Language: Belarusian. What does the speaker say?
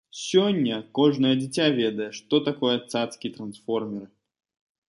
Сёння кожнае дзіця ведае, што такое цацкі-трансформеры.